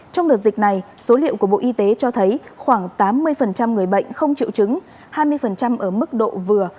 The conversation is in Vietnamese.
trong đợt dịch này số liệu của bộ y tế cho thấy khoảng tám mươi người bệnh không triệu chứng hai mươi ở mức độ vừa